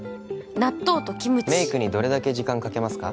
納豆とキムチ「メイクにどれだけ時間かけますか？」